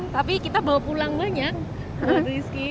tapi kita bawa pulang banyak rizky